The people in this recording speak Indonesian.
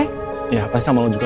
iya pasti sama lo juga